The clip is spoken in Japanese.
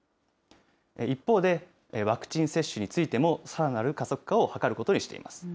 一方で、ワクチン接種についても、さらなる加速化を図ることにしています。